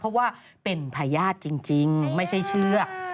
เพราะว่าเป็นพญาติจริงไม่ใช่เชือก